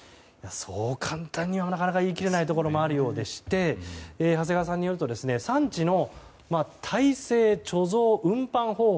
そう簡単にはなかなかいかないところもありまして長谷川さんによると産地の体制、貯蔵、運搬方法